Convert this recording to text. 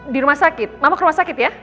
di rumah sakit mama ke rumah sakit ya